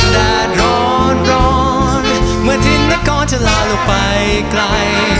ดาดร้อนร้อนเมื่อทิ้งมาก่อนจะลาลงไปไกล